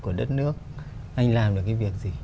của đất nước anh làm được cái việc gì